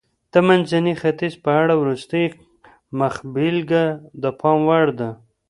د منځني ختیځ په اړه وروستۍ مخبېلګه د پام وړ ده.